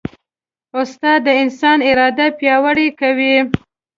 استاد د انسان اراده پیاوړې کوي.